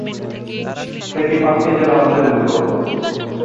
সেতী পাঁচটি জেলা অঞ্চলে বিভক্ত।